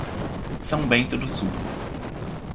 São Bento do Sul